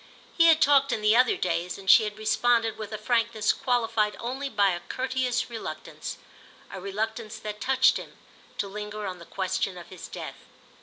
He had talked in the other days, and she had responded with a frankness qualified only by a courteous reluctance, a reluctance that touched him, to linger on the question of his death.